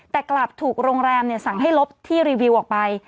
แต่กลับถูกโรงแรมสั่งให้ลบที่รีวิวออกไป